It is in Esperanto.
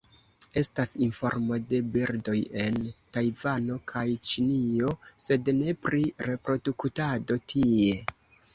Estas informo de birdoj en Tajvano kaj Ĉinio, sed ne pri reproduktado tie.